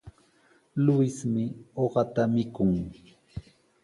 Luismi uqata mikun.